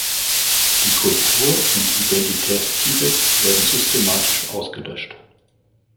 Die Kultur und Identität Tibets werden systematisch ausgelöscht.